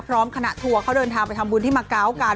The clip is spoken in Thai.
คณะทัวร์เขาเดินทางไปทำบุญที่มาเกาะกัน